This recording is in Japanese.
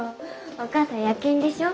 お母さん夜勤でしょ？